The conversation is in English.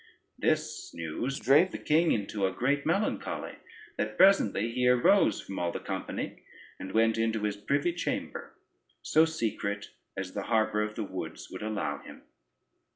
This news drave the king into a great melancholy, that presently he arose from all the company, and went into his privy chamber, so secret as the harbor of the woods would allow him.